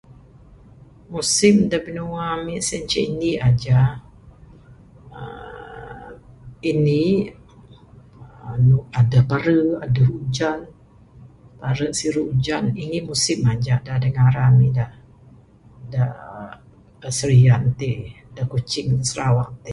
Musim da binua ami sien inceh indi aja aaa indi adeh pare adeh ujan, pare siru ujan indi musim aja da negara ami da serian ti da kuching sarawak ti.